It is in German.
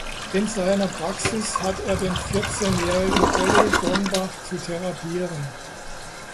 In seiner Praxis hat er den vierzehnjährigen Ole Dornbach zu therapieren.